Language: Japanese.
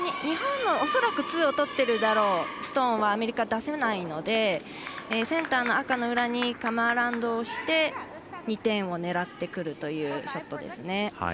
恐らく日本のツーをとってるであろうストーンはアメリカ出せないのでセンターの赤の裏にカム・アラウンドをして２点を狙ってくるショットですね。